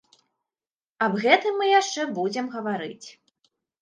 Аб гэтым мы яшчэ будзем гаварыць.